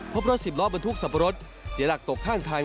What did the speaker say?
พบรถสิบล้อบรรทุกสับปะรดเสียหลักตกข้างทาง